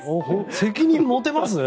責任持てます？